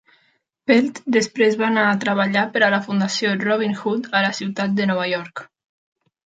Peltz després va anar a treballar per a la Fundació Robin Hood a la ciutat de Nova York.